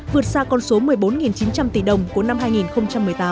vượt xa con số một mươi bốn chín trăm linh tỷ đồng của năm hai nghìn một mươi tám